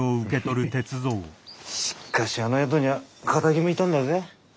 しかしあの宿にゃあ堅気もいたんだぜ。